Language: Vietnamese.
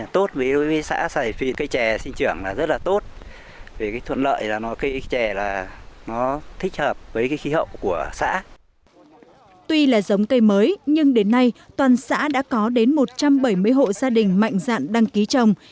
tuy là giống cây mới nhưng đến nay toàn xã đã có đến một trăm bảy mươi hộ gia đình mạnh dạn đăng ký trồng